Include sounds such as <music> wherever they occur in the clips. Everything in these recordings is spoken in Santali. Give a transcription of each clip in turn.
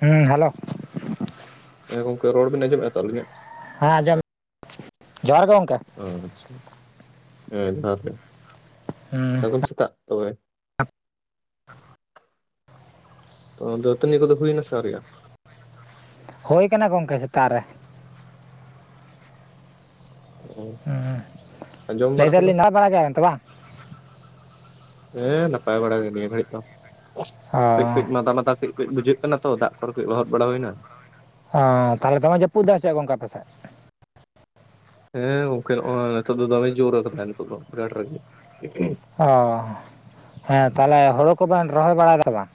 <inaudible> ᱦᱩᱸ ᱦᱮᱞᱳ ᱦᱮᱸ ᱜᱚᱝᱠᱮ ᱨᱚᱲ ᱵᱤᱱ ᱟᱸᱡᱚᱢᱮᱜᱼᱟ ᱛᱚ ᱟᱹᱞᱤᱧᱟᱜ? ᱦᱟᱸ ᱟᱸᱡᱚᱢ ᱡᱚᱦᱟᱨ ᱜᱚᱝᱠᱮ᱾ ᱦᱮᱸ ᱟᱪᱪᱷᱟ ᱦᱮᱸ ᱡᱚᱦᱟᱨ ᱜᱮ ᱦᱮᱸ ᱥᱟᱹᱜᱩᱱ ᱥᱮᱛᱟᱜ ᱛᱚᱵᱮ ᱾ ᱛᱚ ᱫᱟᱹᱛᱟᱹᱱᱤ ᱠᱚᱫᱚ ᱦᱩᱭ ᱱᱟ ᱥᱮ ᱟᱹᱨᱤᱜᱼᱟ? ᱦᱳᱭ ᱠᱟᱱᱟ ᱜᱚᱝᱠᱮ ᱥᱮᱛᱟᱜ ᱨᱮ᱾ ᱚ, ᱡᱚᱢ ᱞᱟᱹᱭ ᱵᱟᱲᱟ ᱠᱚᱫᱚ ᱮᱫᱟᱞᱤᱧ <unintelligible> ᱵᱟᱲᱟ ᱜᱮᱭᱟᱵᱮᱱ ᱛᱮ ᱵᱟᱝ? ᱦᱮᱸ ᱱᱟᱯᱟᱭ ᱵᱟᱲᱟ ᱜᱮ ᱱᱤᱭᱟᱹ ᱜᱷᱟᱹᱲᱤᱡ ᱫᱚ, ᱚ <inaudible> ᱠᱟᱹᱡ ᱠᱟᱹᱡ ᱢᱟᱫᱟ ᱢᱟᱫᱟ ᱠᱟᱹᱡ ᱠᱟᱹᱡ ᱵᱩᱡᱷᱟᱹᱜ ᱠᱟᱱᱟ ᱛᱚ ᱫᱟᱜ ᱠᱚᱨᱮ ᱠᱟᱹᱡ ᱞᱚᱦᱚᱫ ᱵᱟᱲᱟ ᱦᱩᱭᱱᱟ᱾ ᱚ, ᱛᱟᱦᱞᱮ ᱫᱚᱢᱮ ᱡᱟᱹᱯᱩᱫ ᱫᱟ ᱥᱮ ᱪᱮᱫ ᱜᱚᱝᱠᱮ ᱟᱯᱮ ᱥᱮᱫ? ᱦᱮᱸ ᱜᱚᱝᱠᱮ ᱱᱚᱜᱼᱚᱭ ᱱᱤᱛᱚᱜ ᱫᱚᱢᱮ ᱡᱩᱨ ᱟᱠᱟᱫᱼᱟᱭ ᱱᱤᱛᱚᱜ ᱵᱤᱨᱟᱴ ᱨᱟᱜᱤ᱾ ᱚᱻ ᱦᱮᱸ ᱛᱟᱦᱞᱮ ᱦᱩᱲᱩ ᱠᱚᱵᱮᱱ ᱨᱚᱦᱚᱭ ᱵᱟᱲᱟᱭᱫᱟ ᱵᱟᱝ?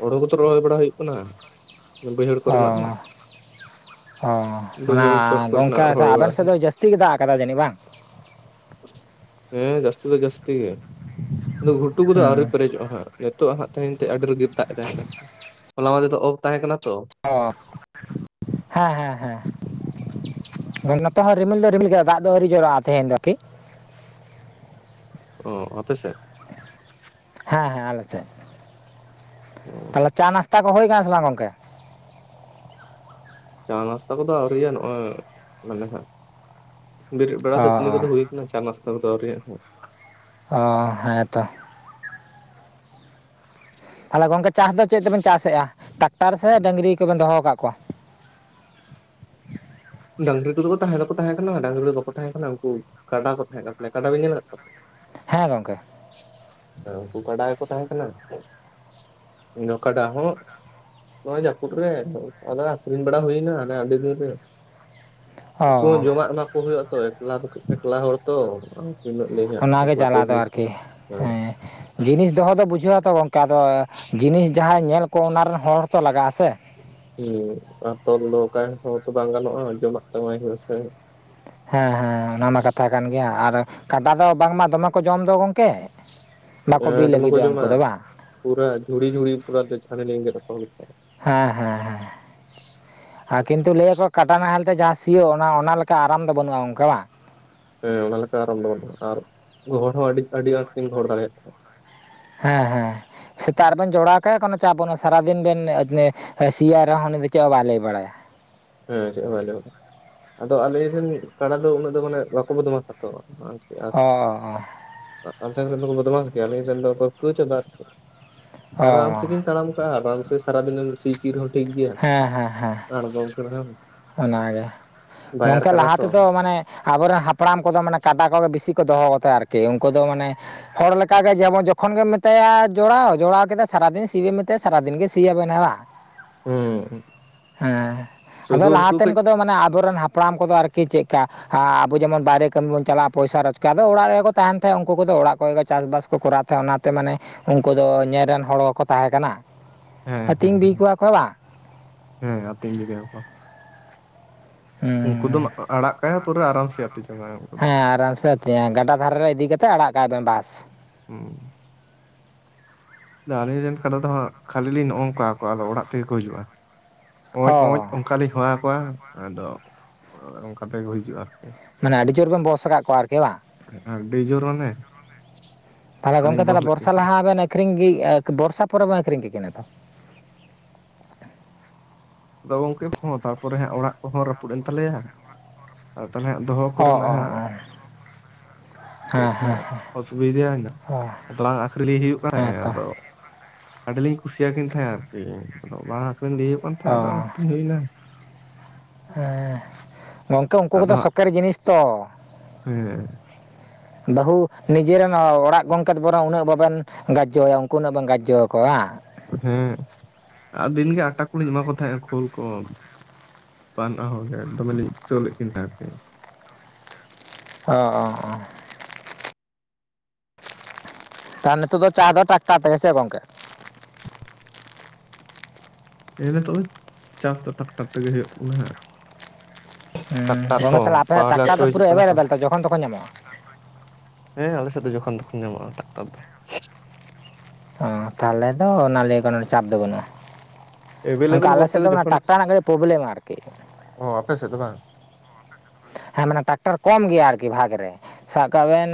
ᱦᱩᱲᱩ ᱠᱚᱫᱚ ᱨᱚᱦᱚᱭ ᱵᱟᱲᱟ ᱦᱩᱭᱩᱜ ᱠᱟᱱᱟ ᱵᱟᱹᱭᱦᱟᱹᱲ ᱠᱚᱨᱮᱱᱟᱜ ᱫᱚ ᱾ ᱚᱸ ᱚᱱᱟ ᱠᱚᱨᱮᱱᱟᱜ ᱜᱚᱝᱠᱮ ᱟᱫᱚ ᱨᱚᱦᱚᱭ ᱵᱟᱲᱟ ᱟᱵᱮᱱ ᱥᱮᱫ ᱫᱚ ᱡᱟᱹᱥᱛᱤ ᱜᱮ ᱫᱟᱜ ᱟᱠᱟᱫᱟ ᱡᱟᱹᱱᱤᱡ ᱵᱟᱝ? ᱦᱮᱸ ᱡᱟᱹᱥᱛᱤ ᱫᱚ ᱡᱟᱹᱥᱛᱤ ᱜᱮ ᱟᱫᱚ ᱜᱷᱩᱴᱩ ᱠᱚᱫᱚ ᱟᱹᱣᱨᱤ ᱦᱮᱸ ᱯᱮᱨᱮᱡᱚᱜᱼᱟ ᱦᱟᱸᱜ ᱾ ᱱᱤᱛᱚᱜᱼ ᱟ ᱦᱟᱸᱜ ᱛᱮᱦᱮᱧ ᱛᱮ ᱟᱹᱰᱤ ᱨᱟ. ᱜᱤᱯ ᱫᱟᱜ ᱮᱫᱟᱭ ᱦᱚᱞᱟ ᱢᱟᱦᱫᱮᱨ ᱚᱯᱷ ᱛᱟᱦᱮᱸ ᱠᱟᱱᱟ ᱛᱚ ᱚ ᱦᱮᱸ ᱦᱮᱸ ᱦᱮᱸ ᱱᱚᱛᱮ ᱦᱚᱸ ᱨᱤᱢᱤᱞ ᱫᱚ ᱨᱤᱢᱤᱞ ᱜᱮᱭᱟ ᱫᱟᱜ ᱫᱚ ᱟᱹᱣᱨᱤ ᱡᱚᱨᱚᱜᱼᱟ ᱛᱮᱦᱮᱧ ᱫᱚ ᱠᱤ ᱚ ᱟᱯᱮᱥᱮᱫ ᱦᱮᱸ ᱦᱮᱸ ᱟᱫᱚ ᱥᱮᱫ ᱚ ᱛᱟᱦᱚᱞᱮ ᱪᱟ ᱱᱟᱥᱛᱟ ᱠᱚ ᱦᱩᱭ ᱟᱠᱟᱱᱟ ᱥᱮ ᱵᱟᱝ ᱜᱚᱝᱠᱮ ᱪᱟ ᱱᱟᱥᱛᱟ ᱠᱚᱫᱚ ᱟᱹᱣᱨᱤᱭᱟ ᱱᱚᱜᱼᱚᱭ ᱢᱟᱱᱮ ᱦᱟᱜ ᱵᱮᱨᱮᱫ ᱵᱟᱲᱟ ᱚ ᱫᱟᱹᱛᱱᱤ ᱠᱚᱫᱚ ᱚ ᱦᱩᱭ ᱪᱟᱱᱟᱪ ᱛᱟᱠ ᱫᱚ ᱟᱣᱨᱤᱭᱟᱜ-ᱟ <unintelligible> ᱚ ᱦᱮᱸ ᱛᱚ ᱛᱟᱦᱚᱞᱮ ᱜᱚᱝᱠᱮ ᱪᱟᱥ ᱫᱚ ᱪᱮᱫ ᱛᱮᱵᱮᱱ ᱪᱟᱥ ᱮᱜ-ᱟ ᱴᱟᱠᱴᱟᱨ ᱥᱮ ᱰᱟᱹᱝᱨᱤ ᱠᱚᱵᱮᱱ ᱫᱚᱦᱚ ᱟᱠᱟᱫ ᱠᱚᱣᱟ ᱰᱟᱝᱨᱤ ᱠᱚᱫᱚ ᱛᱟᱦᱮᱸ ᱫᱚᱠᱚ ᱛᱟᱦᱮᱸ ᱠᱟᱱᱟ ᱰᱟᱝᱨᱤ ᱫᱚ ᱵᱟᱠᱚ ᱛᱟᱦᱮᱸ ᱠᱟᱱᱟ ᱩᱱᱠᱩ ᱠᱟᱰᱟ ᱠᱚ ᱛᱟᱦᱮᱸ ᱠᱟᱱ ᱛᱟᱞᱮᱭᱟ ᱠᱟᱰᱟ ᱵᱮᱱ ᱧᱮᱞ ᱟᱠᱟᱫ ᱠᱚᱣᱟ ᱦᱮᱸ ᱜᱚᱝᱠᱮ ᱩᱱᱠᱩ ᱜᱟᱰᱟ ᱜᱮᱠᱚ ᱛᱟᱦᱮᱸ ᱠᱟᱱᱟ ᱤᱧ ᱦᱚᱸ ᱠᱟᱰᱟ ᱦᱚᱸ ᱱᱚᱜ-ᱚᱭ ᱡᱟᱹᱯᱩᱫ ᱨᱮ ᱟᱫᱷᱟ ᱟᱠᱷᱨᱤᱧ ᱵᱟᱲᱟ ᱦᱩᱭ ᱮᱱᱟ ᱟᱹᱰᱤ ᱫᱤᱱ ᱨᱮ ᱩᱝᱠᱩ ᱚ ᱡᱚᱢᱟᱜ ᱮᱢᱟ ᱠᱚ ᱦᱳᱭᱳᱜᱼᱟ ᱛᱚ, ᱮᱠᱞᱟ ᱮᱠᱞᱟ ᱦᱚᱲ ᱛᱚ ᱛᱤᱱᱟᱹᱜ ᱞᱟᱹᱭ ᱦᱟᱸᱜ ᱚᱱᱟᱜᱮ ᱮᱠᱞᱟ ᱛᱚ ᱡᱟᱞᱟ ᱫᱚ ᱦᱮᱸ ᱟᱨᱠᱤ ᱦᱮᱸ ᱡᱤᱱᱤᱥ ᱫᱚᱦᱚ ᱫᱚ ᱵᱩᱡᱷᱟᱹ ᱟ ᱛᱚ ᱜᱚᱝᱠᱮ ᱟᱫᱚ ᱡᱤᱱᱤᱥ ᱡᱟᱦᱟᱸᱭ ᱧᱮᱞ ᱠᱚ ᱚᱱᱟᱨᱮᱱ ᱦᱚᱲ ᱛᱚ ᱞᱟᱜᱟᱜᱼᱟ ᱥᱮ ᱦᱮᱸ ᱟᱨ ᱛᱚᱞ ᱫᱚᱦᱚ ᱠᱟᱭ ᱦᱚᱸᱛᱚ ᱵᱟᱝ ᱜᱟᱱᱚᱜᱼᱟ ᱡᱚᱢᱟᱜ ᱛᱚ ᱮᱢᱟᱭ ᱦᱩᱭᱩᱜ-ᱟ ᱥᱮ ᱦᱮᱸ ᱦᱮᱸ ᱚᱱᱟ ᱢᱟ ᱠᱟᱛᱷᱟ ᱠᱟᱱ ᱜᱮᱭᱟ ᱟᱨ ᱠᱟᱰᱟ ᱫᱚ ᱵᱟᱝᱢᱟ ᱫᱚᱢᱮᱜ ᱠᱚ ᱡᱚᱢ ᱫᱚ ᱜᱚᱝᱠᱮ ᱵᱟᱠᱚ ᱵᱤᱞ ᱞᱟᱹᱜᱤᱫᱚᱜᱼᱟ ᱩᱱᱠᱩ ᱫᱚ ᱵᱟᱝ ᱯᱩᱨᱟ. ᱡᱩᱲᱤ ᱡᱩᱲᱤ ᱯᱩᱨᱟ. ᱪᱮᱷᱟᱟᱬᱮ ᱞᱤᱧ ᱟ. ᱜᱩ ᱠᱮᱫ ᱛᱟᱠᱚᱣᱟ <unintelligible> ᱦᱮᱸ ᱦᱮᱸ ᱦᱮᱸ ᱟᱨ ᱠᱤᱱᱛᱩ ᱞᱟᱹᱭ ᱟᱠᱚ ᱠᱟᱰᱟ ᱱᱟᱦᱮᱞ ᱛᱮ ᱡᱟᱦᱟᱸ ᱥᱤᱭᱳᱜ ᱚᱱᱟ ᱟᱱᱟ ᱞᱮᱠᱟ ᱟᱨᱟᱢ ᱫᱚ ᱵᱟᱹᱱᱩᱜᱼᱟ ᱚᱱᱠᱟ ᱵᱟᱝ ᱦᱮᱸ ᱚᱱᱟ ᱞᱮᱠᱟ ᱟᱨᱟᱢ ᱫᱚ ᱵᱟ. ᱱᱩᱜ-ᱟ ᱟᱨ ᱜᱚᱦᱚᱰ ᱦᱚᱸ ᱟᱹᱰᱤ ᱟᱹᱰᱤ ᱟᱸᱴᱠᱤᱱ ᱜᱚᱦᱚᱰ ᱫᱟᱲᱮᱭᱟᱜ ᱛᱟᱦᱮᱸ ᱦᱮᱸ ᱦᱮᱸ ᱥᱮᱛᱟᱜ ᱨᱮ ᱵᱮᱱ ᱡᱚᱲᱟᱣ ᱠᱟᱭᱟ ᱠᱚᱱᱚ ᱪᱟᱵᱚᱱᱟ ᱥᱟᱨᱟᱫᱤᱱ ᱵᱮᱱ <unintelligible> ᱟᱭᱥᱤᱭᱟᱜ ᱨᱟᱜ ᱩᱱᱤ ᱫᱚ ᱪᱮᱫ ᱦᱚᱸ ᱵᱟᱭ ᱞᱟᱹᱭ ᱵᱟᱲᱟᱭᱟ ᱦᱮᱸ ᱪᱮᱫ ᱦᱚᱸ ᱵᱟᱭ ᱞᱟ. ᱭ ᱵᱟᱲᱟ ᱟᱫᱚ ᱟᱞᱮᱨᱮᱱ ᱠᱟᱰᱟ ᱫᱚ ᱩᱱᱟᱹᱜ ᱫᱚ ᱢᱟᱱᱮ ᱵᱟᱠᱚ ᱵᱚᱫᱢᱟᱥ-ᱟ ᱛᱚ ᱚ <unintelligible> <unintelligible> ᱵᱚᱫᱢᱟᱥ ᱜᱤᱭᱟ ᱟᱞᱤᱧ ᱨᱮᱱ ᱫᱚ ᱠᱚ <unintelligible> ᱟᱨᱟᱢ ᱚ ᱥᱮ ᱜᱤᱧ ᱛᱟᱲᱟᱢ ᱟᱠᱟᱜᱼᱟ ᱟᱨᱟᱢ ᱟᱱᱡ ᱥᱮ ᱥᱟᱨᱟ ᱫᱤᱱᱮᱢ ᱥᱤ ᱛᱠᱤᱨ ᱦᱚᱸ ᱴᱷᱤᱠ ᱜᱮᱭᱟ ᱦᱮᱸ ᱦᱮᱸ ᱦᱮᱸ ᱟᱬᱜᱚᱢ ᱠᱚᱨᱮ ᱦᱚᱸ ᱚᱱᱟᱜᱮ ᱜᱝᱠᱮ ᱞᱟᱦᱟ ᱛᱚ ᱛᱮᱫᱚ ᱢᱟᱱᱮ ᱟᱵᱚᱨᱮᱱ ᱦᱟᱯᱲᱟᱢ ᱠᱚᱫᱚ ᱢᱟᱱᱮ ᱠᱟᱰᱟ ᱠᱚᱜᱮ ᱵᱤᱥᱤ ᱠᱚ ᱫᱚᱦᱚ ᱠᱟᱛᱟᱭᱟ ᱟᱨᱠᱤ ᱩᱝᱠᱩ ᱫᱚ ᱢᱟᱱᱮ ᱦᱚᱲ ᱞᱮᱠᱟᱜᱮ ᱡᱮᱢᱚᱱ ᱡᱚᱠᱷᱚᱱ ᱜᱮᱢ ᱢᱮᱛᱟᱭᱟ ᱡᱚᱲᱟᱣ ᱡᱚᱲᱟᱣ ᱠᱮᱫᱟ ᱥᱟᱨᱟᱫᱤᱱ ᱥᱤ ᱵᱤᱱ ᱢᱮᱛᱟᱭᱟ ᱥᱟᱨᱟᱫᱤᱱ ᱜᱮ ᱥᱤᱭ ᱟᱵᱤᱱᱟᱣ ᱵᱟᱝ ᱦᱩᱸ ᱦᱮᱸ ᱟᱫᱚ ᱥᱩᱫᱷᱩ ᱩᱱᱠᱩ ᱞᱟᱦᱟᱛᱮᱱ ᱠᱟᱹᱡ ᱠᱚᱫᱚ ᱢᱟᱱᱮ ᱟᱵᱚᱨᱮᱱ ᱦᱟᱯᱲᱟᱢ ᱠᱚᱫᱚ ᱟᱨᱠᱤ ᱪᱮᱫᱠᱟᱱ ᱟᱵᱚ ᱡᱮᱢᱚᱱ ᱵᱟᱦᱨᱮ ᱠᱟᱹᱢᱤ ᱵᱚᱱ ᱪᱟᱞᱟᱜᱼᱟ ᱯᱚᱭᱥᱟ ᱨᱳᱡᱽᱜᱟᱨ ᱫᱚ ᱚᱲᱟᱜ ᱨᱮᱜᱮ ᱛᱟᱦᱮᱱ ᱛᱮ ᱩᱱᱠᱩ ᱠᱚᱫᱚ ᱚᱲᱟᱜ ᱠᱚᱨᱮ ᱜᱮᱮᱴ ᱪᱟᱥᱵᱟᱥ ᱠᱚᱨᱟᱣ ᱚᱱᱟᱛᱮ ᱢᱟᱱᱮ ᱩᱱᱠᱩ ᱫᱚ ᱧᱮᱞ ᱨᱮᱱ ᱦᱚᱲ ᱠᱚᱠᱚ ᱛᱟᱦᱮᱸ ᱠᱟᱱᱟ ᱦᱮᱸ ᱦᱮᱸ ᱟᱹᱛᱤᱧ ᱵᱤ ᱠᱚᱣᱟ ᱠᱚ ᱵᱟᱝ ᱦᱮᱸ ᱟᱛᱤᱧ ᱵᱤᱨ ᱜᱤᱭᱟ. ᱠᱚ ᱩᱱᱠᱩ ᱦᱩᱸ ᱫᱚᱢ ᱟᱲᱟᱜ ᱠᱟᱭᱟ ᱯᱩᱨᱟᱹ ᱟᱨᱟᱢ ᱥᱮ ᱟᱛᱤᱧ ᱡᱟᱝ ᱟᱭ ᱩᱱᱠᱩ ᱫᱚ ᱦᱮᱸ ᱟᱨᱟᱢ ᱥᱮ <unintelligible> ᱜᱟᱰᱟ ᱫᱷᱟᱨᱮ ᱨᱮ ᱤᱫᱤ ᱠᱟᱛᱮᱫ ᱟᱲᱟᱜ ᱠᱟᱜ ᱵᱮᱱ ᱵᱟᱥ ᱦᱩᱸ ᱟ ᱟᱹᱞᱤᱧ ᱨᱮᱱ ᱠᱟᱰᱟ ᱫᱚ ᱦᱟᱸᱜ ᱠᱷᱟᱹᱞᱤ ᱞᱤᱧ ᱱᱚᱜ ᱱᱚᱝᱠᱟᱚᱣᱟ ᱟᱫᱚ ᱚᱲᱟᱜ ᱛᱮᱜᱮ ᱠᱚ ᱦᱤᱡᱩᱜᱼᱟ ᱚᱸᱡ ᱚᱸᱡ ᱚ ᱚᱱᱠᱟᱞᱤᱧ ᱦᱚᱦᱣᱟᱚᱣᱟ ᱟᱫᱚ ᱚᱱᱠᱟ ᱛᱮᱠᱚ ᱦᱤᱡᱩᱜᱼᱟ ᱟᱨᱠᱤ ᱢᱟᱱᱮ ᱟᱹᱰᱤ ᱡᱳᱨ ᱵᱮᱱ ᱵᱚᱥ ᱟᱠᱟᱫ ᱠᱚᱣᱟ ᱟᱨᱠᱤ ᱵᱟᱝ ᱟᱹᱰᱤ ᱡᱳᱨ ᱢᱟᱱᱮ ᱚᱠᱟᱞᱤᱧ ᱵᱚᱥ ᱞᱮᱫ ᱛᱟᱦᱮᱸᱱᱟ ᱠᱷᱨᱤᱝ ᱜᱮ ᱵᱚᱨᱥᱟ ᱯᱚᱨᱮ ᱵᱚᱱ ᱟᱹᱠᱷᱨᱤᱝ ᱠᱮᱠᱤᱱᱟ ᱛᱚ ᱟᱫᱚ ᱜᱚᱝᱠᱮ ᱦᱚᱸ ᱛᱟᱨᱯᱚᱨᱮ ᱦᱟᱸᱜ ᱚᱲᱟᱜ ᱠᱚᱦᱚᱸ ᱨᱟᱹᱯᱩᱫ ᱮᱱ ᱛᱟᱞᱮᱭᱟ᱾ ᱟᱨ ᱛᱟᱦᱚᱞᱮ ᱦᱟᱸᱜ, ᱫᱚᱦᱚ ᱚ ᱠᱚᱨᱮᱱᱟᱜ ᱚ ᱦᱟᱸᱜ, ᱚ ᱾ ᱠᱟᱹᱡ ᱦᱮᱸ ᱦᱮᱸ ᱦᱟᱸᱜ ᱚᱥᱩᱵᱤᱫᱷᱟᱱᱟ᱾ ᱚ ᱛᱚᱲᱟ ᱟᱹᱠᱷᱨᱤᱧ ᱦᱩᱭᱩᱜ ᱠᱟᱱᱟ ᱦᱮᱸᱛᱚ ᱟᱫᱚ᱾ ᱟᱹᱰᱤᱞᱤᱧ ᱠᱩᱥᱤᱭᱟᱠᱤᱱ ᱛᱟᱦᱮᱸᱱᱟ ᱟᱨᱠᱤ᱾ ᱟᱫᱚ ᱵᱟᱝ ᱟᱹᱨᱤᱧ ᱞᱟᱹᱭ ᱦᱩᱭᱩᱜ ᱠᱟᱱ ᱚ ᱛᱟᱦᱮᱸᱱᱟ᱾ ᱟᱫᱚ ᱟᱹᱟᱹᱧ ᱦᱩᱭᱱᱟ᱾ ᱦᱮᱸ, ᱜᱚᱝᱠᱮ ᱩᱱᱠᱩ ᱟᱫᱚ ᱠᱚᱫᱚ ᱦᱟᱸᱜ ᱥᱚᱠᱮᱨᱤ ᱡᱤᱱᱤᱥ ᱛᱚ᱾ ᱦᱮᱸ ᱵᱟᱹᱦᱩ ᱱᱤᱡᱮᱨᱮᱱ ᱚᱲᱟᱜ ᱜᱚᱝᱠᱮ ᱵᱚᱨᱚᱝ ᱩᱱᱟᱹᱜ ᱵᱟᱵᱮᱱ ᱜᱟᱡᱚᱭᱟ ᱩᱱᱠᱩ ᱩᱱᱟᱹᱜ ᱵᱟᱝ ᱜᱟᱡᱚᱣᱟ᱾ ᱦᱮᱸ, ᱟᱨ ᱫᱤᱱᱜᱮ ᱟᱴᱟ ᱠᱚᱞᱤᱧ ᱮᱢᱟ ᱠᱚ ᱛᱟᱦᱮᱸᱱᱟ ᱠᱷᱳᱞ ᱠᱚ᱾ ᱵᱟᱱᱟ ᱦᱚᱲᱜᱮ ᱫᱚᱢᱮᱞᱤᱧ ᱪᱷᱟᱹᱳ ᱞᱮᱫ ᱠᱤᱱ ᱛᱟᱦᱮᱸᱧ᱾ ᱚ, <unintelligible> ᱛᱟᱦᱚᱞᱮ ᱱᱤᱛᱳ ᱫᱚ ᱪᱟ ᱫᱚ ᱴᱨᱟᱠᱴᱟᱨ ᱛᱮᱜᱮ ᱥᱮ ᱜᱚᱝᱠᱮ? ᱦᱮᱸ <unintelligible> ᱱᱤᱛᱳᱜ ᱫᱚ ᱪᱟᱥ ᱫᱚ ᱴᱟᱠᱴᱟᱨ ᱛᱮᱜᱮ ᱦᱩᱭᱩᱜ ᱛᱟᱵᱚᱱᱟ ᱦᱜ᱾ ᱦᱩᱸ ᱴᱨᱟᱠᱴᱟᱨ ᱠᱚ ᱜᱚᱝᱠᱮ ᱛᱟᱦᱚᱞᱮ ᱟᱯᱮ ᱯᱟᱴᱤᱞᱟᱨ ᱴᱨᱟᱠᱴᱟᱨ ᱠᱚ ᱫᱚ ᱦᱤᱡᱩᱜ ᱯᱩᱨᱟᱹ ᱠᱟᱱᱟ ᱛᱚ᱾ ᱮᱵᱮᱞᱮᱵᱮᱞ ᱡᱚᱠᱷᱚᱱ ᱛᱚᱠᱷᱚᱱ ᱧᱟᱢᱚᱜᱼᱟ ᱦᱮᱸ ᱟᱞᱮ ᱥᱮᱫ ᱫᱚ ᱡᱚᱠᱷ ᱛᱚᱠᱷᱚᱱ ᱧᱟᱢᱚᱜᱼᱟ ᱴᱟᱠᱴᱟᱨ ᱫᱚ᱾ ᱛᱟᱦᱚᱞᱮ ᱫᱚ ᱚᱱᱟ ᱞᱟᱹᱭ ᱠᱟᱱᱟ ᱪᱟᱯ ᱫᱚ ᱵᱟᱹᱱᱩᱜᱼᱟ᱾ ᱚᱱᱠᱟ ᱮᱵᱮᱞᱮᱵᱮᱞ ᱟᱞᱮ ᱵᱚᱞᱛᱮ ᱥᱮᱫ ᱫᱚ ᱫᱚᱮ, ᱡᱚᱠᱷᱚᱱ ᱴᱟᱠᱴᱟᱨ ᱨᱮᱱᱟᱜ ᱠᱟᱹᱴᱤᱡ ᱯᱨᱚᱵᱞᱮᱢ ᱟᱨᱠᱤ᱾ ᱚ ᱟᱯᱮ ᱥᱮᱫ ᱫᱚ ᱵᱟᱝ? ᱦᱮᱸ ᱢᱟᱱᱮ, ᱴᱨᱟᱠᱴᱟᱨ ᱠᱚᱢ ᱜᱮᱭᱟ ᱟᱨᱠᱤ ᱵᱷᱟᱜ ᱨᱮ᱾ ᱥᱟᱵ ᱠᱟᱜ ᱵᱮᱱ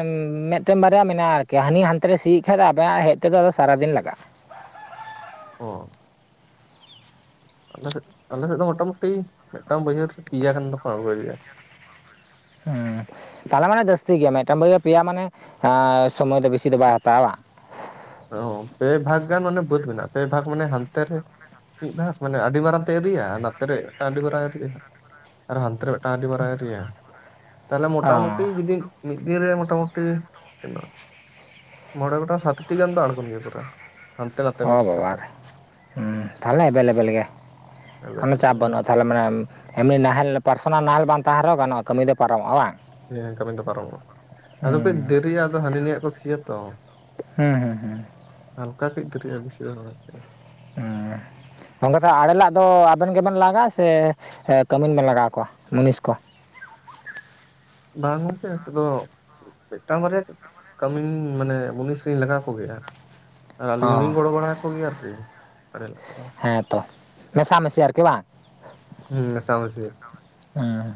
ᱢᱤᱫᱴᱮᱱ ᱵᱟᱨᱭᱟ ᱢᱮᱱᱟᱜᱼᱟ ᱟᱨᱠᱤ᱾ ᱦᱟᱹᱱᱤ ᱦᱟᱱᱛᱮ ᱨᱮ ᱥᱤᱭᱮᱫ ᱠᱷᱟ ᱟᱵᱮᱱᱟᱜ ᱦᱮᱡ ᱛᱮᱫᱚ ᱥᱟᱨᱟᱫᱤᱱ ᱞᱟᱜᱟᱜᱼᱟ᱾ ᱚ, ᱟᱞ ᱥᱮᱫ, ᱟᱞᱮ ᱥᱮᱫ ᱫᱚ ᱢᱚᱴᱟᱢᱩᱴᱤ ᱢᱤᱫᱴᱟᱝ ᱵᱟᱹᱭᱦᱟᱹᱲ ᱯ ᱤᱭᱟᱹ ᱠᱷᱟᱱ ᱫᱚ ᱟᱬᱜᱚᱭ ᱜᱮᱭᱟ᱾ ᱦᱸ ᱛᱟᱦᱚᱞᱮ ᱢᱟᱱᱮ ᱡᱟᱹᱥᱛᱤ ᱜᱮᱭᱟ᱾ ᱢᱤᱫᱴᱟᱝ ᱵᱟᱹᱭ ᱯᱮᱭᱟ ᱢᱟᱱᱮ ᱥᱚᱢᱚᱭ ᱫᱚ ᱵᱮᱥᱤ ᱫᱚ ᱵᱟᱭ ᱦᱟᱛᱟᱣᱟ᱾ ᱚ ᱯᱮ ᱵᱷᱟᱜᱽ ᱜᱟᱱ ᱢᱟᱱᱮ ᱵᱩᱫ ᱢᱮᱱᱟᱜᱼᱟ᱾ ᱯᱮ ᱵᱷᱟᱜᱽ ᱢᱟᱱᱮ ᱦᱟᱱᱛᱮ ᱨᱮ ᱢᱤᱫ ᱫᱷᱟᱥ, ᱢᱟᱱᱮ ᱟᱹᱰᱤ ᱢᱟᱨᱟᱝ ᱛᱮ ᱮᱨᱤᱭᱟ᱾ ᱟᱨ ᱱᱛᱮᱮᱨᱮ ᱢᱤᱫᱴᱟᱝ ᱟᱹᱰᱤ ᱢᱟᱨᱟᱝ ᱮᱨ ᱟᱨ ᱦᱟᱱᱛᱮ ᱨᱮ ᱢᱤᱫᱴᱟᱝ ᱟᱹᱰᱤ ᱵᱟᱨᱟᱭᱤᱭᱟ᱾ ᱛᱟᱦᱚᱞᱮ ᱚ ᱢᱚᱴᱟᱢᱩᱴᱤ ᱡᱩᱫᱤ ᱢᱤᱫᱽ ᱫᱤᱱ ᱨᱮ, ᱢᱳᱚᱴᱟᱢᱩᱴᱤ ᱛᱤᱱᱟᱹ ᱢᱚᱬᱮ ᱜᱚᱴᱟᱝ, ᱥᱟᱛᱴᱤ ᱜᱟᱱ ᱫᱚ ᱟᱬᱜᱚᱱ ᱜᱮᱭᱟ ᱯᱩᱨᱟᱹ᱾ ᱦᱟᱱᱛᱮ ᱱᱟᱛᱮ ᱚ ᱢᱤᱥ ᱵᱟᱵᱟ, ᱠᱟᱛᱮ ᱛᱟᱦᱚᱞᱮ ᱮᱵᱮᱞᱮᱵᱮᱞ ᱜᱮ᱾ ᱠᱳᱱ ᱮᱵᱮᱞᱮᱵᱮᱞ ᱪᱟᱯ ᱵᱟᱹᱱᱩᱜᱼᱟ᱾ ᱛᱟᱦᱚᱞᱮ ᱢᱟᱱᱮ ᱮᱢᱱᱤ ᱱᱟᱦᱮᱞ ᱯᱟᱨᱥᱚᱱᱟᱞ ᱱᱟᱦᱮᱞ ᱵᱟᱝ ᱛᱟᱦᱮᱸᱱ ᱨᱮᱦᱚᱸ ᱜᱟᱱᱚᱜᱼᱟ, ᱠᱟᱹᱢᱤ ᱫᱚ᱾ ᱯᱟᱨᱚᱢᱚᱜᱼᱟ ᱵᱟᱝ,? ᱦᱮᱸ ᱠᱟᱹᱢᱤ ᱫᱚ ᱯᱟᱨᱚᱢᱚᱜᱼᱟ᱾ ᱟᱫᱚ ᱠᱟᱹᱡ ᱦᱮᱸ ᱫᱟᱨᱤᱭᱟᱜ, ᱫᱚ ᱦᱟᱹᱱᱤ ᱱᱤᱭᱟᱜ ᱠᱚ ᱥᱤᱭᱟ ᱛᱚ᱾ ᱦᱮᱸ ᱦᱮᱸ ᱦᱮᱸ, ᱦᱟᱞᱠᱟ ᱠᱟᱹᱡ ᱫᱟᱹᱨᱤᱜᱼᱟ᱾ ᱵᱮᱥᱤᱣ <unintelligible> ᱟᱨ <unintelligible> ᱜᱚᱢᱮ ᱛ ᱟᱲᱮᱞᱟᱜ ᱫᱚ ᱟᱵᱮᱱ ᱜᱮᱵᱮᱱ ᱞᱟᱜᱟᱜᱼᱟ᱾ ᱥᱮ ᱠᱟᱹᱢᱤᱱᱵᱮᱱ ᱞᱟᱜᱟᱣ ᱠᱚᱣᱟ᱾ ᱢᱩᱱᱤᱥ ᱠᱚ᱾ ᱵᱟᱝ ᱜᱚᱢ ᱯᱮ ᱱᱤᱛᱚᱜ ᱫᱚ ᱢᱤᱫᱴᱟᱝ ᱵᱟᱨᱭᱟ, ᱠᱟᱹᱢᱤᱱ ᱢᱟᱱᱮ ᱢᱩᱱᱤᱥ ᱞᱤᱧ ᱞᱟᱜᱟᱣ ᱠᱚᱜᱮᱭᱟ᱾ ᱟᱨ ᱚ ᱟᱹᱞᱤᱧ ᱦᱚᱸᱞᱤᱧ ᱜᱚᱲᱚ ᱵᱟᱲᱟ ᱠᱚᱜᱮᱭᱟ᱾ ᱟᱨᱠᱤ᱾ ᱟᱲᱮ ᱞᱟᱜ ᱠᱚᱫᱚ ᱦᱮᱸᱛᱚ ᱢᱮᱥᱟᱢᱤᱥᱤ ᱟᱨᱠᱤ ᱵᱟᱝ ᱦᱮᱸ ᱢᱮᱥᱟ ᱢᱤᱥᱤ ᱾ ᱦᱮᱸ,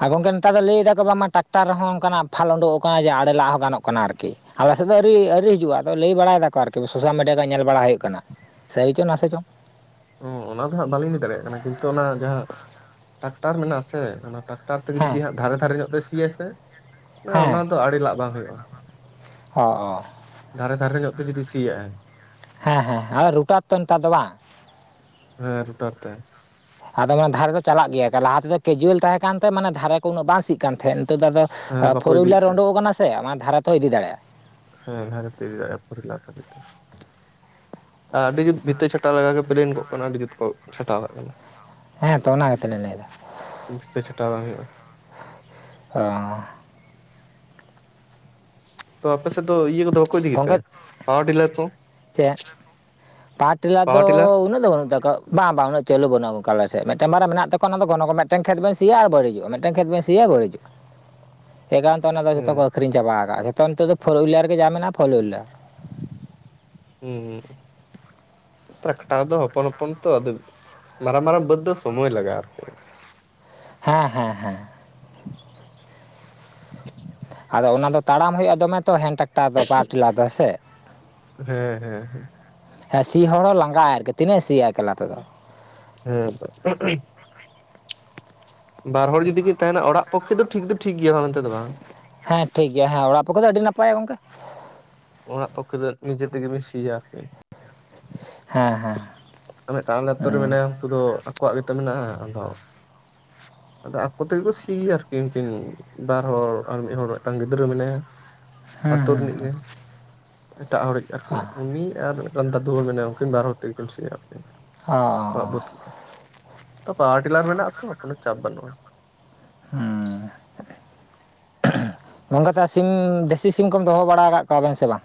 ᱟᱨ ᱜᱚᱝᱠᱮ ᱱᱮᱛᱟᱨ ᱫᱚ ᱞᱟᱹᱭᱮᱫᱫᱟᱠᱚ ᱵᱟᱝ ᱢᱟ ᱴᱨᱟᱠᱴᱟᱨ ᱨᱮᱦ ᱚᱱᱠᱟᱱᱟᱜ ᱯᱷᱷᱟᱞ ᱩᱰᱠ ᱟᱠᱟᱱᱟ᱾ ᱡᱮ ᱟᱲᱮ ᱞᱟᱜ ᱦᱚᱸ ᱜᱟᱱᱚᱜ ᱠᱟᱱᱟ ᱟᱨᱠᱤ᱾ ᱟᱞᱮ ᱥᱮᱫ ᱫᱚ ᱟᱹᱣᱨᱤ ᱟᱹᱣᱨᱤ ᱦᱤᱡᱩᱜᱼᱟ᱾ ᱟᱫᱚ ᱞᱟᱹᱭ ᱵᱟᱲᱟᱭ ᱫᱟᱠᱚ ᱟᱨᱠᱤ᱾ ᱥᱳᱥᱟᱞ ᱢᱤᱰᱤᱭᱟ ᱠᱷᱚᱡ ᱧᱮᱞ ᱵᱟᱲᱟ ᱦᱩᱭᱩᱜ ᱠᱟᱱᱟ᱾ ᱥᱟᱭ ᱪᱚᱝ ᱱᱟᱥ ᱪᱚᱝ, ᱦᱮᱸ ᱚᱱᱟ ᱫᱚ ᱦᱟᱜ ᱵᱟᱞᱤᱧ ᱤᱫᱤ ᱫᱟᱲᱮᱭᱟᱜ ᱠᱟᱱᱟ᱾ ᱠᱤᱱᱛᱩ ᱚᱱᱟ ᱡᱟᱦᱟᱸ ᱴᱨᱟᱠᱴᱟᱨ ᱢᱮᱱᱟᱜ ᱟᱥᱮ ᱚᱱᱟ ᱴᱠᱴᱟᱨ ᱴᱟᱠᱴᱟᱨ ᱛᱮᱜᱮ ᱦᱮᱸ ᱡᱩᱫᱤ ᱫᱷᱟᱨᱮ ᱫᱷᱟᱨᱮ ᱧᱚᱜ ᱛᱮ ᱥᱤᱭᱟᱭ ᱥᱮ ᱦᱮᱸ ᱚᱱᱟ ᱫᱚ ᱟᱲᱮ ᱞᱟᱜ ᱵᱟᱝ ᱦᱩᱭᱩᱜᱼᱟ᱾ ᱦᱚ ᱚᱸᱻ ᱫᱷᱟᱨᱮ ᱫᱷᱟᱨᱮ ᱧᱚᱜ ᱛᱮ ᱡᱩᱫᱤ ᱥᱤᱭᱟᱜᱼᱟᱭ᱾ ᱦᱮᱸ ᱦᱮᱸ, ᱟᱨ ᱨᱩᱴᱟᱨ ᱛᱚ ᱱᱮᱛᱟᱨ ᱫᱚ ᱵᱟᱝ? ᱦᱮᱸ ᱨᱩᱴᱟᱨ ᱛᱮ᱾ ᱟᱫᱚ ᱢᱟᱱᱮ ᱫᱷᱟᱨᱮ ᱫᱚ ᱪᱟᱞᱟᱜ ᱜᱮᱭᱟ ᱞᱟᱦᱟᱮᱫᱚ ᱠᱮᱡᱩᱭᱮᱞ ᱛᱟᱦᱮᱸ ᱠᱟᱱᱛᱮ ᱢᱟᱱᱮ ᱫᱷᱟᱨᱮ ᱩᱱᱟᱹᱜ ᱵᱟᱝ ᱥᱜ ᱠᱟᱱ ᱛᱟᱦᱮᱸᱫ ᱱᱤᱛᱚᱜ ᱫᱚ ᱟᱫᱚ ᱦᱮᱸ ᱵᱟᱠᱚ ᱯᱷᱳᱨ ᱤᱫᱤᱭᱮᱫ ᱦᱩᱭᱞᱟᱨ ᱛᱟᱦᱮᱸᱫ ᱩᱰᱩᱜ ᱟᱠᱟᱱᱟ ᱥᱮ ᱚᱱᱟ ᱫᱷᱟᱨᱟ ᱛᱮ ᱦᱚᱸ ᱤᱫᱤ ᱫᱟᱲᱮᱭᱟᱜᱼᱟ ᱦᱮᱸ <unintelligible> ᱟᱨ ᱟᱹᱰᱤ ᱡᱩᱛ ᱵᱷᱤᱛᱟᱹ ᱪᱷᱟᱴᱟᱣ ᱞᱮᱱᱟ ᱜᱮ ᱯᱮᱞᱮᱱ ᱠᱚᱜ ᱠᱟᱱᱟ ᱟᱹᱰᱤ ᱡᱩᱛ ᱠᱚ ᱪᱷᱟᱴᱟᱣᱟᱜ ᱠᱟᱱᱟ ᱦᱮᱸ ᱛᱚ ᱚᱱᱟ ᱠᱟᱛᱮ ᱞᱮᱧ ᱞᱟᱹᱭᱮᱫᱟ ᱵᱮᱥᱤ ᱪᱷᱟᱴᱟᱣ ᱵᱟᱝ ᱦᱩᱭᱩᱜᱼᱟ <unintelligible> ᱛᱚ ᱟᱯᱮ ᱥᱮᱫ ᱫᱚ ᱤᱭᱟᱹ ᱠᱚᱫᱚ ᱵᱟᱠᱚ ᱤᱫᱤ ᱜᱮᱛᱮ ᱜᱚᱢᱠᱮ ᱯᱟᱣᱟᱨ ᱰᱤᱞᱟᱨ ᱠᱚ ᱪᱮᱫ ᱯᱟᱣᱟᱨ ᱴᱮᱞᱟᱨ ᱫᱚ ᱩᱱᱟᱹᱜ ᱫᱚ ᱵᱟᱹᱱᱩᱜ ᱛᱟᱣᱟ ᱵᱟᱝ ᱩᱱᱟᱜ ᱪᱟᱹᱞᱩ ᱵᱟᱹᱱᱩᱜ ᱚᱱᱠᱟᱞᱟᱨ ᱥᱮᱫ ᱢᱤᱫᱴᱟᱝ ᱵᱟᱨ ᱢᱮᱱᱟᱜ ᱛᱟᱠᱚ ᱚᱱᱟ ᱜᱚᱱ ᱠᱚ ᱢᱤᱫᱮᱱ ᱠᱷᱮᱛ ᱵᱮᱱ ᱥᱤᱭᱟ ᱟᱨ ᱵᱟᱹᱲᱤᱡᱚᱜᱼᱟ ᱢᱤᱫᱴᱮᱱ ᱠᱷᱮᱛ ᱵᱮᱱ ᱥᱤᱭᱟ ᱵᱟᱹᱲᱤᱡᱚᱜ <inaudible> ᱮ ᱠᱟᱨᱚᱱᱛᱮ ᱚᱱᱟ ᱫᱚ ᱡᱚᱛᱚ ᱠᱚ ᱦᱮᱸ ᱟᱹᱠᱷᱨᱤᱧ ᱪᱟᱵᱟᱣ ᱟᱠᱟᱫᱼᱟ ᱡᱚᱛᱚ ᱱᱤᱛᱚᱜ ᱯᱷᱳᱨ ᱦᱩᱭᱞᱟᱨ ᱜᱮ ᱡᱟᱛᱚ ᱢᱮᱱᱟᱜᱼᱟ ᱯᱷᱳᱨ ᱦᱩᱭᱞᱟᱨ ᱦᱮᱸ ᱴᱨᱟᱠᱴᱟᱨ ᱫᱚ ᱦᱚᱯᱚᱱ ᱦᱚᱯᱚᱱ ᱛᱚ ᱟᱫᱚ ᱢᱟᱨᱟᱝ ᱢᱟᱨᱟᱝ ᱵᱟᱹᱫᱽ ᱫᱚ ᱥᱚᱢᱚᱭ ᱞᱟᱜᱟᱜᱼᱟ ᱟᱨᱠᱤ ᱦᱮᱸ ᱦᱮᱸ ᱦᱮᱸ ᱟᱫᱚ ᱚᱱᱟ ᱫᱚ ᱛᱟᱲᱟᱢ ᱦᱩᱭᱩᱜᱼᱟ ᱫᱚᱢᱮ ᱛᱚ ᱦᱮᱱ ᱴᱮᱠᱴᱟᱨ ᱫᱚ ᱵᱟᱨ ᱴᱮᱞᱟᱨ ᱫᱚ ᱦᱮ ᱥᱮ ᱦᱮᱸ ᱦᱮᱸ ᱦᱮᱸ ᱦᱮᱸ ᱥᱤ ᱦᱚᱲ ᱦᱚᱸ ᱞᱟᱸᱜᱟᱜᱟᱭ ᱟᱨᱠᱤ ᱛᱤᱱᱟᱹᱜ ᱥᱤᱭᱟ ᱮᱠᱞᱟ ᱛᱮᱫᱚ ᱦᱮᱸ <unintelligible> ᱵᱟᱨ ᱦᱚᱲ ᱡᱩᱫᱤ ᱠᱤᱱ ᱛᱟᱦᱮᱱᱟ ᱚᱲᱟᱜ ᱯᱚᱠᱠᱷᱮ ᱫᱚ ᱴᱷᱤᱠ ᱫᱚ ᱴᱷᱤᱠ ᱜᱮᱭᱟ ᱢᱮᱱᱛᱮ ᱫᱚ ᱵᱟᱝ ᱦᱮᱸ ᱴᱷᱤᱠ ᱜᱮᱭᱟ ᱦᱮᱸ ᱚᱲᱟᱜ ᱯᱠᱷᱮ ᱫᱚ ᱟᱹᱰᱤ ᱱᱟᱯᱟᱭᱟ ᱜᱚᱝᱠᱮ ᱚᱲᱟᱜ ᱯᱚᱠᱠᱷᱮ ᱫᱚ ᱱᱤᱡᱮ ᱛᱮᱜᱮᱢ ᱥᱤᱭᱟ ᱟᱨᱠᱤ ᱦᱮᱸ ᱦᱮᱸ ᱟ ᱴᱟᱮ ᱟᱛᱩᱨ ᱨᱮ ᱦᱮᱸ ᱢᱮᱱᱟᱭᱟ ᱩᱱᱠᱩ ᱫᱚ ᱟᱠᱚᱣᱟᱜ ᱜᱮᱛᱚ ᱢᱮᱱᱟᱜᱼᱟ ᱟᱫᱚ ᱟᱫᱚ ᱟᱠᱩ ᱛᱮᱜᱮ ᱠᱚ ᱥᱤᱭᱟ ᱟᱨᱠᱤᱱ ᱵᱟᱨ ᱦᱚᱲ ᱟᱨ ᱢᱤᱫ ᱦᱚᱲ ᱟᱨ ᱢᱤᱫᱴᱟᱝ ᱜᱤᱫᱽᱨᱟᱹ ᱢᱮᱱᱟᱭᱟ ᱦᱮᱸ ᱟᱛᱳ ᱦᱮᱸ ᱨᱤᱱᱤᱡ ᱦᱮᱸ ᱜᱮ ᱮᱴᱟᱜ ᱦᱚᱲᱤᱡ ᱟᱨᱠᱤ ᱚ ᱩᱱᱤ ᱟᱨ ᱢᱤᱫ ᱴᱟᱝ ᱫᱟᱫᱩ ᱢᱮᱱᱟᱭᱟ ᱩᱠᱤᱱ ᱵᱟᱨ ᱦᱚᱲ ᱛᱮᱜᱮ ᱠᱤᱱ ᱥᱤᱭᱟ ᱚ ᱚ <unintelligible> ᱛᱚ ᱯᱟᱣᱟᱨ ᱴᱤᱞᱟᱨ ᱢᱮᱱᱟᱜ ᱟ ᱛᱚ ᱠᱚᱱᱚ ᱪᱟᱯ ᱵᱟᱹᱱᱩᱜᱼᱟ ᱦᱮᱸ <unintelligible> ᱜᱚᱝᱠᱮ ᱛᱚ ᱥᱤᱢ ᱫᱮᱥᱤ ᱥᱤᱢ ᱠᱚᱢ ᱫᱚᱦᱚ ᱵᱟᱲᱟ ᱟᱠᱟᱫ ᱠᱚᱣᱟᱵᱮᱱ ᱥᱮ ᱵᱟᱝ?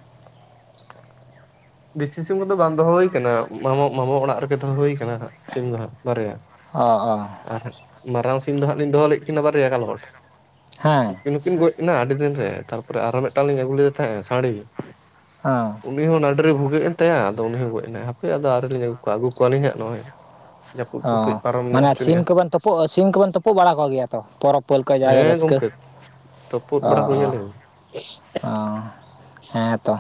ᱫᱮᱥᱤ ᱥᱤᱢ ᱠᱚᱫᱚ ᱵᱟᱝ ᱫᱚᱦᱚ ᱦ ᱟᱠᱟᱱᱟ ᱢᱟᱢ ᱢᱟᱢᱟ ᱚᱲᱟᱜ ᱨᱮᱜᱮ ᱫᱚᱦᱚ ᱦᱩᱠ ᱦᱟᱸᱜ ᱥᱤᱢ ᱫᱚ ᱦᱟᱸᱜ ᱵᱟᱨᱭᱟ ᱚ ᱚ ᱟᱨ ᱢᱟᱨᱟᱝ ᱥᱤᱢ ᱫᱚ ᱦᱟᱸᱜ ᱞᱤᱧ ᱫᱚᱦᱚ ᱞᱮᱫ ᱠᱤᱱᱟᱹ ᱵᱟᱨᱭᱟ ᱠᱟᱞᱚᱴ ᱼᱼ ᱦᱮᱸ <inaudible> ᱱᱩᱠᱤᱱ ᱜᱚᱡ ᱠᱤᱱᱟ ᱟᱹᱰᱤ ᱫᱤᱱ ᱨᱮ ᱛᱟᱨᱯᱚᱨᱮ ᱟᱨᱚ ᱢᱤᱫᱴᱟᱝ ᱞᱤᱧ ᱟᱹᱜᱩ ᱞᱮᱫ ᱛᱟᱦᱮᱸᱜ ᱥᱟᱹᱲᱤ ᱦᱮ ᱩᱱᱤ ᱦᱚᱸ ᱱᱟᱹᱰᱨᱮ ᱵᱷᱩᱜᱟᱹᱜ ᱮᱱ ᱛᱟᱭᱟ ᱟᱫᱚ ᱩᱱᱤ ᱦᱚᱸ ᱱᱟᱹᱰᱨᱤ ᱵᱷᱩᱜᱟᱹᱮᱱ ᱛᱟᱭᱟ ᱜᱚᱡ ᱮᱱᱟᱭ ᱦᱟᱯᱮ ᱟᱫᱚ ᱟᱹᱣᱨᱤ ᱞᱤᱧ ᱟᱜᱩ ᱠᱚᱣᱟ ᱟᱹᱜᱩ ᱠᱚᱣᱟᱞᱤᱧ ᱦᱟᱸᱜ ᱱᱚᱜᱼᱚᱭ ᱡᱟᱹᱯᱩᱫ ᱚ ᱠᱚ ᱠᱟᱹᱡ ᱯᱟᱨᱚᱢ ᱧᱚᱜ ᱢᱟᱱᱮ ᱥᱤᱢ ᱦᱚᱪᱚᱭᱮᱜᱼᱟ ᱠᱚᱵᱮᱱ ᱥᱤᱢ ᱠᱚᱵᱚᱱ ᱛᱩᱯᱩᱜ ᱵᱟᱲᱟ ᱠᱚᱜᱮᱭᱟ ᱛᱚ ᱯᱚᱨᱚᱵᱽ ᱯᱟᱹᱞᱠᱟᱹ ᱡᱮ ᱨᱟᱹᱥᱠᱟᱹ ᱛᱚᱯᱩᱫ ᱚ ᱵᱟᱲᱟ ᱚ ᱠᱚᱜᱮᱭᱟᱞᱮᱧ ᱚ <unintelligible> ᱦᱮᱸᱛᱚ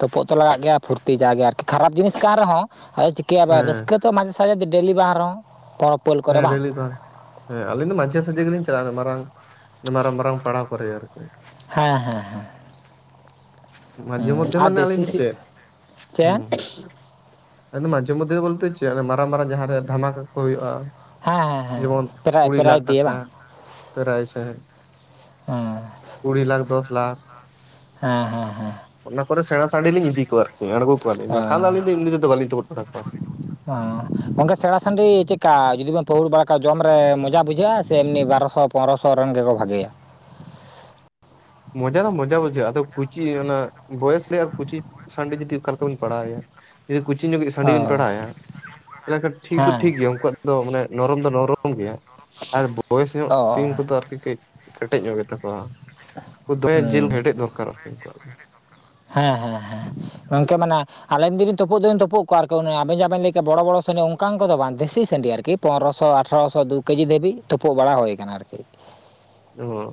ᱛᱩᱯᱩᱜ ᱛᱚ ᱞᱟᱜᱟᱜ ᱜᱮᱭᱟ ᱯᱷᱩᱨᱛᱤ ᱡᱟ ᱜᱮ ᱟᱨᱠᱤ ᱠᱷᱟᱨᱟᱯ ᱡᱤᱱᱤᱥ ᱠᱟᱱ ᱨᱮᱦᱚᱸ ᱟ ᱠᱮᱭᱟᱵᱟᱨ ᱦᱮᱸ ᱨᱟᱹᱥᱠᱟᱹ ᱛᱚ ᱢᱟᱡᱷᱮ ᱥᱟᱡᱷᱮ ᱫᱚ ᱰᱮᱞᱤ ᱵᱟᱝ ᱨᱮᱦᱚᱸ ᱯᱚᱨᱚᱵ ᱼᱼ ᱦᱮᱸ ᱰᱮᱞᱤ ᱠᱷᱚᱱ ᱦᱮᱸ ᱟᱹᱞᱤᱧ ᱫᱚ ᱢᱟᱡᱷᱮ ᱥᱟᱡᱮ ᱜᱮ ᱞᱤᱧ ᱪᱟᱞᱟᱜᱼᱟ ᱢᱟᱨᱟᱝ ᱢᱟᱨᱟᱝ ᱢᱟᱨᱟᱝ ᱯᱟᱲᱦᱟᱣ ᱠᱚᱨᱮ ᱟᱨᱠᱤ ᱦᱮᱸ ᱦᱮᱸ ᱦᱮᱸ ᱢᱟᱡᱷᱮ ᱦᱮᱸ ᱢᱚᱫᱡᱷᱮ ᱟᱨ ᱢᱟᱱᱮ ᱟᱞᱤᱧ ᱫᱮᱥᱤ ᱫᱚ ᱥᱤᱢ ᱪᱮᱫ ᱪᱮᱫ ᱟᱫᱚ ᱢᱟᱡᱮ ᱢᱚᱫᱽᱫᱷᱮ ᱫᱚ ᱵᱚᱞᱛᱮ ᱪᱮᱫ ᱢᱟᱨᱟᱝ ᱢᱟᱨᱟᱝ ᱡᱟᱦᱟᱸ ᱨᱮ ᱫᱷᱟᱢᱟᱠᱟ ᱠᱚ ᱦᱩᱭᱩᱜᱼᱟ ᱦᱮᱸ ᱦᱮᱸ ᱦᱮᱸ ᱡᱮᱢᱚᱱ ᱯᱨᱟᱭ ᱠᱩᱲᱤ ᱯᱨᱟᱭ ᱞᱟᱠᱷ ᱫᱤᱭᱮ ᱴᱟᱠᱟ ᱵᱟᱝ <unintelligible> ᱦᱮᱸ ᱠᱩᱲᱤ ᱞᱟᱠᱷ ᱫᱚᱥ ᱞᱟᱠᱷ ᱦᱮᱸ ᱦᱮᱸ ᱦᱮᱸ ᱚᱱᱟ ᱠᱚᱨᱮ ᱥᱮᱬᱟ ᱥᱟᱺᱰᱤᱞᱤᱧ ᱤᱫᱤ ᱠᱚᱣᱟ ᱟᱨᱠᱤ ᱟᱬᱜᱚ ᱠᱚᱣᱟᱞᱤᱧ ᱵᱟᱠᱷᱟᱱ ᱫᱚ ᱚ ᱟᱹᱞᱤᱧ ᱫᱚ ᱤ ᱮᱢᱱᱤ ᱛᱮᱫᱚ ᱵᱟᱞᱤᱧ ᱛᱩᱯᱩᱜ ᱵᱟᱲᱟ ᱠᱚᱣᱟ ᱚ ᱜᱚᱝᱠᱮ ᱥᱮᱬᱟ ᱥᱟᱺᱰᱤ ᱪᱮᱫᱠᱟ ᱡᱩᱫᱤ ᱵᱮᱱ ᱯᱟᱹᱦᱩᱲ ᱵᱟᱲᱟ ᱠᱷᱟᱱᱡ ᱡᱚᱢ ᱨᱮ ᱢᱚᱡᱟ ᱵᱩᱡᱷᱟᱹᱜ-ᱟ ᱥᱮ ᱮᱢᱱᱤ ᱵᱟᱨᱚᱥᱚ ᱯᱚᱱᱫᱨᱚᱥᱚ ᱨᱮᱱ ᱜᱮᱠᱚ ᱵᱷᱟᱜᱮᱭᱟ᱾ ᱢᱚᱡᱟ ᱫᱚ ᱢᱚᱡᱟ ᱵᱩᱡᱷᱟᱹᱜᱼᱟ ᱟᱫᱚ ᱠᱩᱪᱤ ᱚᱱᱟ ᱵᱚᱭᱮᱥ ᱨᱮᱭᱟᱜ ᱠᱩᱪᱤ ᱥᱟᱺᱰᱤ ᱡᱩᱫᱤ ᱚᱠᱟᱞᱮᱠᱟ ᱵᱤᱱ ᱯᱟᱲᱟᱣᱮᱭᱟ ᱡᱩᱫᱤ ᱠᱩᱪᱤ ᱧᱚᱜᱤᱡ ᱥᱟᱺᱰᱤ ᱵᱤᱱ ᱚ ᱯᱟᱲᱟᱣᱮᱭᱟ ᱛᱟᱦᱚᱞᱮ ᱠᱷᱟᱱ ᱴᱷᱤᱠ ᱫᱚ ᱦᱮᱸ ᱴᱷᱤᱠ ᱜᱮᱭᱟ ᱩᱱᱠᱩᱣᱟᱜ ᱫᱚ ᱢᱟᱱᱮ ᱱᱚᱨᱚᱢ ᱫᱚ ᱱᱚᱨᱚᱢ ᱜᱮᱭᱟ ᱟᱨ ᱵᱚᱭᱮᱥ ᱧᱚᱜ ᱥᱤᱢ ᱚ ᱠᱚᱫᱚ ᱟᱨᱠᱤ ᱠᱟᱹᱡ ᱠᱮᱴᱮᱡᱽ ᱧᱚᱜ ᱜᱮ ᱛᱟᱠᱚᱣᱟ <unintelligible> ᱡᱤᱞ ᱦᱮᱸ ᱠᱮᱴᱮᱡᱽ ᱫᱚᱨᱠᱟᱨᱚᱼᱟ <unintelligible> ᱦᱮᱸ ᱦᱮᱸ ᱦᱮᱸ ᱜᱚᱝᱠᱮ ᱢᱟᱱᱮ ᱟᱞᱮᱱ ᱫᱤᱱ ᱛᱩᱯᱩᱜ ᱫᱚ ᱛᱩᱯᱩᱜ ᱠᱚ ᱟᱨᱠᱤ ᱟᱵᱮᱱ ᱡᱟᱦᱟᱸ ᱵᱮᱱ ᱞᱟᱹᱭ ᱠᱮᱫᱟ ᱵᱚᱲᱚ ᱵᱚᱲᱚ ᱥᱟᱺᱰᱤ ᱚᱱᱠᱟᱱ ᱠᱚᱫᱚ ᱵᱟᱝ ᱫᱮᱥᱤ ᱥᱟᱺᱰᱤ ᱟᱨᱠᱤ ᱯᱚᱱᱫᱚᱨᱚᱥᱚ ᱟᱴᱷᱚᱨᱚᱥᱚ ᱫᱩ ᱠᱮᱡᱤ ᱫᱷᱟᱹᱵᱤᱡ ᱛᱩᱯᱩᱜ ᱵᱟᱲᱟ ᱦᱩᱭ ᱟᱠᱟᱱᱟ ᱟᱨᱠᱤ ᱚᱦᱚ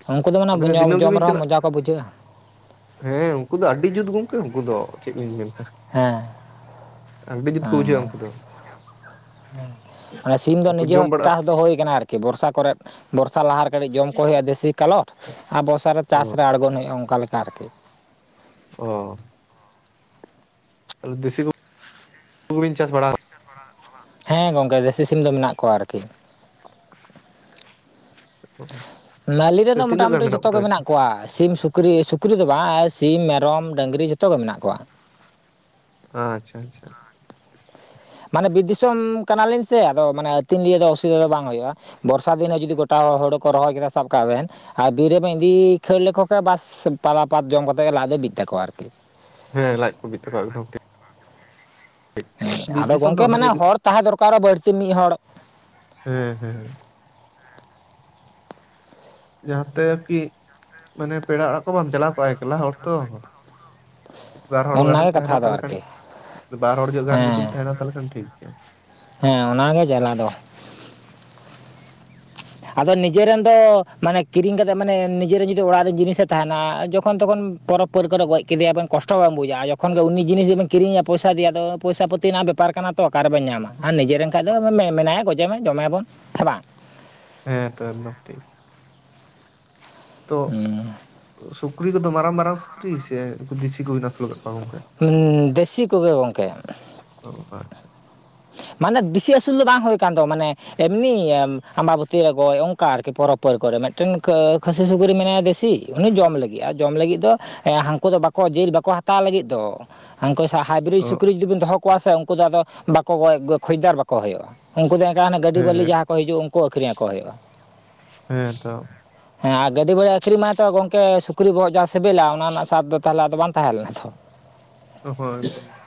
<unintelligible> ᱢᱟᱱᱮ ᱡᱚᱢ ᱨᱮᱦᱚᱸ ᱢᱚᱡᱟ ᱠᱚ ᱵᱩᱡᱷᱟᱹᱜᱼᱟ᱾ ᱦᱮᱸ ᱩᱱᱠᱩ ᱫᱚ ᱟᱹᱰᱤ ᱡᱩᱛ ᱜᱚᱝᱠᱮ ᱩᱱᱠᱩ ᱫᱚ ᱪᱮᱫ ᱤᱧ ᱢᱮᱱᱟ᱾ ᱦᱮᱸ ᱟᱰᱤ ᱡᱩᱛ ᱠᱚ ᱵᱩᱡᱷᱟ. ᱜᱼᱟ ᱦᱮᱸ ᱩᱱᱠᱩ ᱫᱚ ᱢᱟᱱᱮ ᱥᱤᱢ ᱫᱚ ᱩᱱᱠᱩ ᱱᱤᱡᱮ ᱡᱚᱢ ᱦᱚᱸ ᱵᱟᱲᱟᱜ ᱪᱟᱥ ᱫᱚ ᱦᱩᱭᱠᱟᱱᱟ ᱟᱨᱠᱤ ᱵᱚᱨᱥᱟ ᱠᱚᱨᱮᱫ ᱵᱚᱨᱥᱟ ᱞᱟᱦᱟᱨᱮ ᱠᱟᱹᱴᱤᱡᱽ ᱡᱚᱢ ᱠᱚ ᱦᱩᱭᱩᱜᱼᱟ ᱫᱮᱥᱤ ᱠᱟᱞᱚᱴ ᱟᱨ ᱵᱚᱨᱥᱟ ᱨᱮ ᱪᱟᱥ ᱨᱮ ᱟᱬᱜᱚᱱ ᱦᱩᱭᱩᱜᱼᱟ ᱚᱱᱠᱟ ᱞᱮᱠᱟ ᱟᱨᱠᱤ ᱚ ᱛᱟᱦᱮ ᱫᱮᱥᱤ <unintelligible> ᱪᱟᱥ ᱵᱟᱲᱟ ᱠᱟᱜ ᱦᱮᱸ ᱜᱚᱝᱠᱮ ᱫᱮᱥᱤ ᱥᱤᱢ ᱫᱚ ᱢᱮᱱᱟᱜ ᱠᱚᱣᱟ ᱟᱨᱠᱤ ᱚ ᱢᱟ. ᱞᱤ ᱨᱮᱱ ᱫᱚ ᱢᱚᱴᱟᱢᱩᱴᱤ ᱡᱚᱛᱚ ᱜᱮ ᱢᱮᱱᱟᱜ ᱠᱚᱣᱟ ᱥᱤᱢ ᱥᱩᱠ ᱥᱩᱠᱨᱤ ᱥᱩᱠᱨᱤ ᱫᱚ ᱵᱟᱝ ᱥᱤᱢ ᱢᱮᱨᱚᱢ ᱰᱟᱹᱝᱨᱤ ᱡᱚᱛᱚᱜᱮ ᱢᱮᱱᱟᱜ ᱠᱚᱣᱟ ᱟᱪᱪᱷᱟ ᱟᱪᱪᱷᱟ ᱢᱟᱱᱮ ᱵᱮᱨ ᱫᱤᱥᱚᱢ ᱠᱟᱱᱟᱞᱤᱧ ᱥᱮ ᱟᱫᱚ ᱢᱟᱱᱮ ᱟᱹᱛᱤᱧ ᱫᱤᱭᱟ. ᱫᱚ ᱚᱥᱩᱵᱤᱫᱟ ᱫᱚ ᱵᱟᱝ ᱦᱩᱭᱩᱜᱼᱟ᱾ ᱵᱚᱨᱥᱟ ᱫᱤᱱ ᱦᱚᱸ ᱡᱩᱫᱤ ᱜᱚᱴᱟ ᱦᱳᱲᱩ ᱠᱚ ᱨᱚᱦᱚᱭ ᱠᱮᱫᱟ ᱥᱟᱵ ᱠᱟᱜ ᱵᱮᱱ ᱟᱨ ᱵᱤᱨ ᱨᱮᱵᱮᱱ ᱤᱫᱤ ᱠᱷᱟᱹᱲ ᱞᱮᱠᱚ ᱠᱷᱟᱱ ᱵᱟᱥ ᱯᱟᱫᱟ ᱯᱟᱛ ᱡᱚᱢ ᱠᱟᱛᱮᱫ ᱜᱮ ᱞᱟᱡᱽ ᱫᱚ ᱵᱤᱜ ᱛᱟᱠᱚᱣᱟ ᱟᱨ ᱠᱤ ᱦᱮᱸ ᱞᱟᱡᱽ ᱠᱚ ᱵᱤᱜᱛᱟᱠᱚᱣᱟ ᱮᱠᱫᱚᱢ ᱴᱷ ᱦᱮᱸ ᱵᱤᱨ ᱟᱫᱚ ᱫᱤᱥᱚᱢ ᱫᱚ ᱜᱚᱝᱠᱮ ᱢᱟᱱᱮ ᱚᱱᱟᱜᱮ ᱦᱚᱲ ᱛᱟᱦᱮᱸ ᱫᱚᱨᱠᱟᱨᱚᱜᱼᱟ ᱵᱟᱹᱲᱛᱤ ᱢᱤᱫ ᱦᱚᱲ ᱦᱮᱸ ᱦᱮᱸ ᱡᱟᱦᱟᱸ ᱛᱮ ᱠᱤ ᱢᱟᱱᱮ ᱯᱮᱲᱟ ᱚᱲᱟᱜ ᱠᱚ ᱵᱟᱢ ᱪᱟᱞᱟᱣ ᱠᱚᱜᱼᱟ ᱮᱠᱮᱞᱟ ᱦᱚᱲ ᱛᱚ ᱵᱟᱨ ᱦᱚᱲ ᱜᱟᱱᱮᱢ ᱚᱱᱟᱜᱮ ᱛᱟᱦᱮᱱᱟ ᱠᱟᱛᱷᱟ ᱫᱚ ᱛᱟᱦᱚᱞᱮ ᱠᱷᱟᱱ ᱟᱨᱠᱤ ᱵᱟᱨ ᱦᱚᱲ ᱧᱚᱜ ᱜᱟᱱ ᱡᱩᱫᱤᱢ ᱦᱮᱸ ᱛᱟᱦᱮᱱᱟ ᱛᱟᱦᱚᱞᱮ ᱠᱷᱟᱱ ᱴᱷᱤᱠ ᱜᱮᱮᱭᱟ ᱦᱮᱸ ᱚᱱᱟ ᱜᱮ ᱡᱟᱞᱟ ᱫᱚ ᱟᱫᱚ ᱱᱤᱡᱮᱨᱮᱱ ᱫᱚ ᱢᱟᱱᱮ ᱠᱤᱨᱤᱧ ᱠᱟᱛᱮ ᱢᱟᱱᱮ ᱱᱤᱡᱮᱱ ᱡᱩᱫᱤ ᱚᱲᱟᱜ ᱨᱮᱱ ᱡᱤᱱᱤᱥᱮ ᱛᱟᱦᱮᱸᱱᱟ ᱡᱚᱠᱷᱚᱱ ᱛᱚᱠᱷᱚᱱ ᱯᱚᱨᱽ ᱯᱟᱹᱨ ᱠᱚᱨᱮ ᱜᱚᱡᱽ ᱠᱮᱫᱮᱭᱟᱵᱮᱱ ᱠᱚᱴᱚ ᱵᱟᱝ ᱵᱩᱡᱟ ᱡᱚᱠᱷᱚᱱ ᱜᱮ ᱩᱱᱤ ᱡᱤᱱᱤᱥ ᱜᱮᱵᱤᱱ ᱠᱤᱨᱤᱧᱮᱭᱟ ᱯᱚᱭᱥᱟ ᱫᱮᱭᱚ ᱟᱫᱚ ᱯᱚᱭᱥᱟ ᱯᱟᱹᱛᱤ ᱨᱮᱱᱟᱜ ᱵᱮᱯᱟᱨ ᱠᱟᱱᱟ᱾ ᱛᱚ ᱚᱠᱟᱨᱮᱵᱚᱱ ᱧᱟᱢᱟ ᱟᱨ ᱱᱤᱡᱮᱨᱮᱱ ᱠᱷᱟᱱ ᱫᱚ ᱢᱮᱱᱟᱭᱟ ᱜᱚᱡᱮ ᱢᱟ ᱡᱚᱢᱮᱭᱟᱵᱚᱱ ᱥᱮ ᱵᱟᱝ ᱦᱮᱸ ᱛᱚ ᱮᱠᱫᱚᱢ ᱴᱷᱤᱠ ᱛᱚ ᱥᱩᱠᱨᱤ ᱠᱚᱫᱚ ᱢᱟᱨᱟᱝ ᱢᱟᱨᱟᱝ ᱥᱩᱠᱨᱤ ᱥᱮ ᱩᱱᱠᱩ ᱫᱤᱥᱤ ᱠᱚᱵᱤᱱ ᱟᱹᱥᱩᱞ ᱠᱟᱜ ᱠᱚᱣᱟ ᱜᱚᱝᱠᱮ? ᱫᱮᱥᱤ ᱠᱚᱜᱮ ᱜᱚᱝᱠᱮ ᱚ ᱟᱪᱪᱷᱟ ᱢᱟᱱᱮ ᱵᱮᱥᱤ ᱟᱹᱥᱩᱞ ᱫᱚ ᱵᱟᱝ ᱦᱩᱭ ᱟᱠᱟᱱ ᱫᱚ ᱢᱟᱱᱮ ᱮᱢᱱᱤ ᱟᱢᱵᱟᱵᱚᱛᱤ ᱨᱮ ᱜᱚᱡ ᱚᱱᱠᱟ ᱟᱨᱠᱤ ᱯᱚᱨᱚᱵᱽ ᱯᱚᱨ ᱠᱚᱨᱮ ᱢᱤᱫᱴᱮᱱ ᱠᱷᱟᱹᱥᱤ ᱥᱩᱠᱨᱤ ᱢᱮᱱᱟᱭᱟ ᱫᱮᱥᱤ ᱩᱱᱤ ᱡᱚᱢ ᱞᱟᱹᱜᱤᱫ ᱟᱨ ᱡᱚᱢ ᱞᱟᱹᱜᱤᱫ ᱫᱚ ᱦᱮᱸ ᱦᱟᱹᱠᱩ ᱫᱚ ᱵᱟᱠᱚ ᱡᱤᱞ ᱵᱟᱠᱚ ᱦᱟᱛᱟᱣ ᱞᱟᱹᱜᱤᱫ ᱫᱚ ᱩᱱᱠᱩ ᱦᱟᱭᱵᱨᱤᱰ ᱚ ᱥᱩᱠᱨᱤ ᱡᱩᱫᱤ ᱵᱚᱱ ᱫᱚᱦᱚ ᱠᱚᱣᱟ ᱥᱮ ᱩᱱᱠᱩ ᱫᱚ ᱟᱫᱚ ᱵᱟᱠᱚ ᱠᱷᱡᱽᱫᱟᱨ ᱵᱟᱠᱚ ᱦᱩᱭᱩᱜᱼᱟ᱾ ᱩᱱᱠᱩ ᱫᱚ ᱮᱱᱠᱟᱱ ᱜᱟᱹᱰᱤ ᱵᱟᱹᱞᱤ ᱦᱮᱸ ᱡᱟᱦᱟᱸ ᱠᱚ ᱦᱤᱡᱩᱜᱼᱟ ᱩᱱᱠᱩ ᱟᱹᱠᱷᱨᱤᱧ ᱟᱠᱚ ᱦᱩᱭᱩᱜᱼᱟ᱾ ᱦᱮᱸ ᱛᱚ ᱦᱮᱸ ᱟᱨ ᱜᱟᱹᱰᱤ ᱵᱷᱟᱹᱭ ᱟᱹᱠᱷᱨᱤᱧ ᱢᱟᱭ ᱛᱚ ᱜᱚᱢᱠᱮ ᱥᱩᱠᱨᱤ ᱵᱚᱦᱚᱜ ᱡᱟᱦᱟᱸ ᱥᱤᱵᱤᱞᱟ ᱚᱱᱟ ᱨᱮᱱᱟᱜ ᱥᱟᱵ ᱫᱚ ᱛᱟᱦᱚᱞᱮ ᱟᱫᱚ ᱵᱟᱝ ᱛᱟᱦᱮᱸ ᱞᱮᱱᱟ ᱛᱚ <unintelligible>